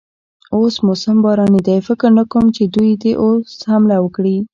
اوس موسم باراني دی، فکر نه کوم چې دوی دې اوس حمله وکړي.